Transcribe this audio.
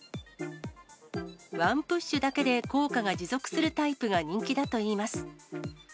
ワンプッシュだけで効果が持続するタイプが人気だといいます。